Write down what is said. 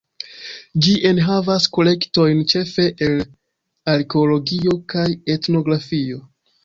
Ĝi enhavas kolektojn ĉefe el arkeologio kaj etnografio.